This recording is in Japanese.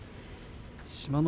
志摩ノ